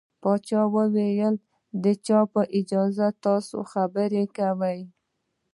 پاچا وويل د چا په اجازه تاسو خبرې کوٸ.